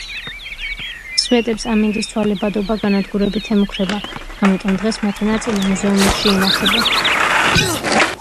სვეტებს ამინდის ცვალებადობა განადგურებით ემუქრება, ამიტომ დღეს მათი ნაწილი მუზეუმებში ინახება.